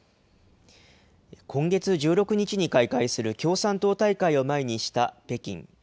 今月１６日に開会する共産党大会を前にした北京。